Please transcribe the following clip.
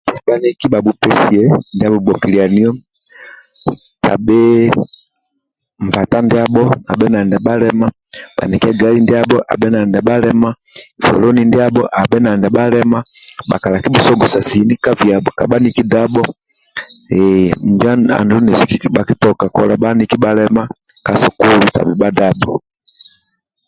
Bhaniki bhabhu pesie ndia bhuwai ghokelanio tebhi nbhata ndia bho abhe nali ndia bhalema bha nkia gali nali ndia bhalema kwoloni ndia bho abhe nali ndia bhalema kabhakibhusogosa sini kha bhaniki dhabho eee njo adhu kikighaga kola bhaniki bhalema ka sukulu tebhi bha dhabho